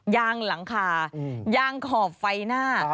ยางหลังคายางขอบไฟหน้า